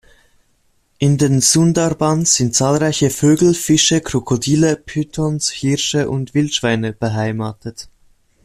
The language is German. In den Sundarbans sind zahlreiche Vögel, Fische, Krokodile, Pythons, Hirsche und Wildschweine beheimatet.